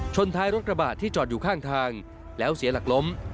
ท้ายรถกระบะที่จอดอยู่ข้างทางแล้วเสียหลักล้ม